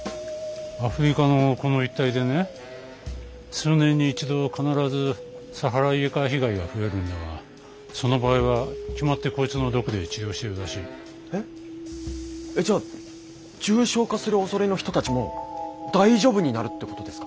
アフリカのこの一帯でね数年に一度必ずサハライエカ被害が増えるんだがその場合は決まってこいつの毒で治療しているらしい。え？えじゃあ重症化するおそれの人たちも大丈夫になるってことですか！？